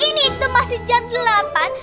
ini itu masih jam delapan